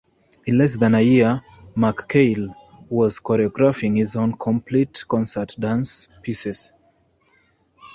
In less than a year, McKayle was choreographing his own complete concert dance pieces.